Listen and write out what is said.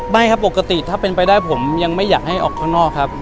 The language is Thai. ไม่ครับปกติถ้าเป็นไปได้ผมยังไม่อยากให้ออกข้างนอกครับ